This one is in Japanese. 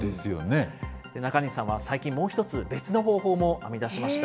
中西さんは、最近もう一つ、別の方法も編み出しました。